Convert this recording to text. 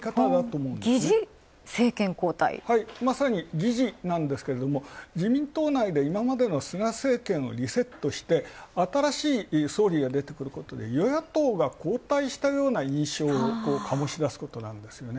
まさに擬似なんですが自民党内で今までの菅政権をリセットして、新しい総理が出てくることで与野党が交代してくるような印象をかもし出すことなんですね。